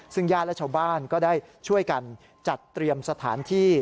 ซึ่งญาติและชาวบ้านก็ได้ช่วยกันจัดเตรียมสถานที่